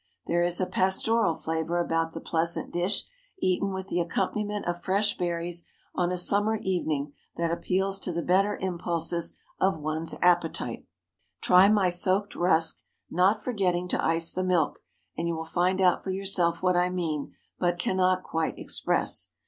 There is a pastoral flavor about the pleasant dish, eaten with the accompaniment of fresh berries, on a summer evening, that appeals to the better impulses of one's appetite. Try my soaked rusk—not forgetting to ice the milk—and you will find out for yourself what I mean, but cannot quite express.